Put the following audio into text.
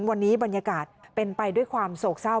วันนี้บรรยากาศเป็นไปด้วยความโศกเศร้า